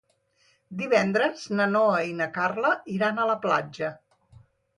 Divendres na Noa i na Carla iran a la platja.